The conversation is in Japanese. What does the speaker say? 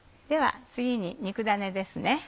では次に肉ダネですね。